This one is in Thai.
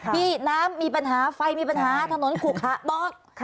พี่น้ำมีปัญหาไฟมีปัญหาถนนขุขะบอก